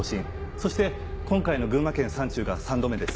そして今回の群馬県山中が３度目です。